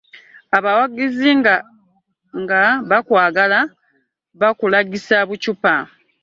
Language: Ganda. abawagizi nga twbakwagala bakulagisa buccupa.